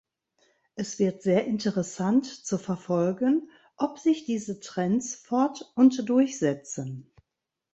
Es wird sehr interessant zu verfolgen, ob sich diese Trends fort- und durchsetzen.